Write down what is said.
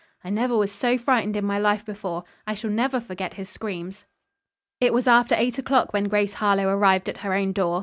"I never was so frightened in my life before. I shall never forget his screams." It was after eight o'clock when Grace Harlowe arrived at her own door.